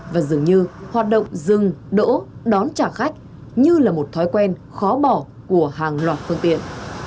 và dường như hoạt động dừng đỗ đón trả khách như là một thói quen khó bỏ của hàng loạt phương tiện